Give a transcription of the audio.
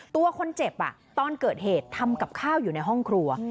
ตัวคนเจ็บตอนเกิดเหตุทำกับข้าวอยู่ในห้องครัว